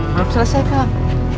belum selesai kang